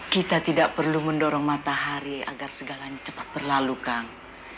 kita tidak perlu mendorong matahari agar segalanya cepat berlalu kang